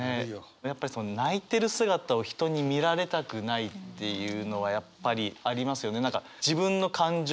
やっぱりその泣いてる姿を人に見られたくないっていうのはやっぱりありますよね。